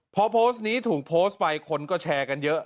พอโพสต์นี้ถูกโพสต์ไปคนก็แชร์กันเยอะ